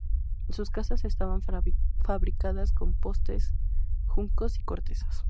Sus casas estaban fabricadas con postes, juncos y cortezas.